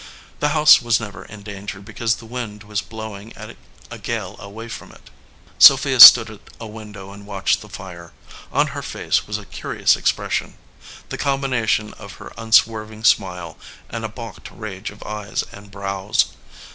The house was never in danger because the wind was blowing a gale away from it. Sophia stood at a window and watched the fire. On her face was a curious expression the combination of her un swerving smile and a balked rage of eyes and brows.